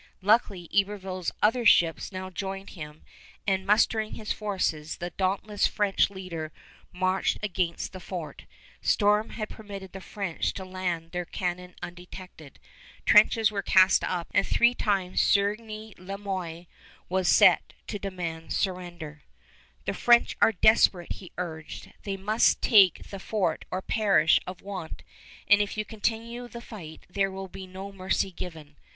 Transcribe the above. Luckily Iberville's other ships now joined him, and, mustering his forces, the dauntless French leader marched against the fort. Storm had permitted the French to land their cannon undetected. Trenches were cast up, and three times Sérigny Le Moyne was sent to demand surrender. [Illustration: CAPTURE OF FORT NELSON BY THE FRENCH (After La Potherie)] "The French are desperate," he urged. "They must take the fort or perish of want, and if you continue the fight there will be no mercy given."